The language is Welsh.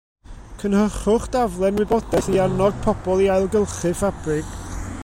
Cynhyrchwch daflen wybodaeth i annog pobl i ailgylchu ffabrig